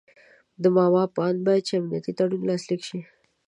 د ماما په آند باید چې امنیتي تړون لاسلیک شي.